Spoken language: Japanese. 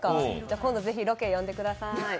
今度ぜひロケ、呼んでください。